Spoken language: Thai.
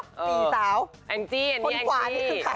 คนขวานี่คือใคร